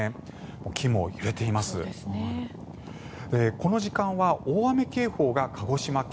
この時間は大雨警報が鹿児島県。